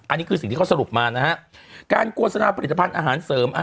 อันนี้คือสิ่งที่เขาสรุปมานะฮะการโฆษณาผลิตภัณฑ์อาหารเสริม